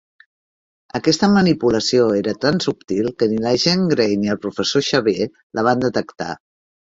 Aquesta manipulació era tan subtil que ni la Jean Grey ni el Professor Xavier la van detectar.